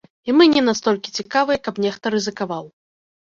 І мы не настолькі цікавыя, каб нехта рызыкаваў.